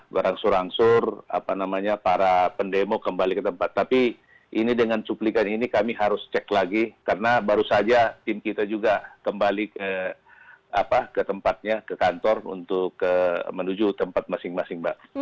berangsur angsur apa namanya para pendemo kembali ke tempat tapi ini dengan cuplikan ini kami harus cek lagi karena baru saja tim kita juga kembali ke tempatnya ke kantor untuk menuju tempat masing masing mbak